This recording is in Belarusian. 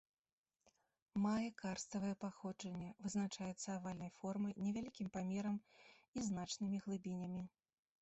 Мае карставае паходжанне, вызначаецца авальнай формай, невялікім памерам і значнымі глыбінямі.